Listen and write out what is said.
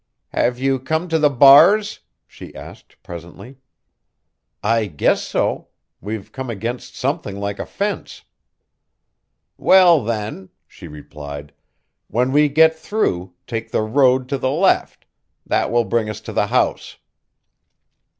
"Have you come to the bars?" she asked presently. "I guess so. We've come against something like a fence." "Well, then," she replied, "when we get through, take the road to the left. That will bring us to the house."